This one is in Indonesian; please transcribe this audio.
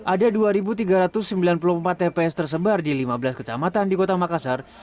ada dua tiga ratus sembilan puluh empat tps tersebar di lima belas kecamatan di kota makassar